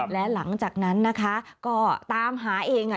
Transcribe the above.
และหลังจากนั้นนะคะก็ตามหาเองค่ะ